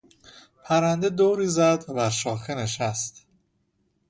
پرنده دوری زد و بر شاخه نشست.